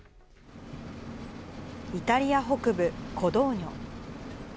イタリア北部、コドーニョ。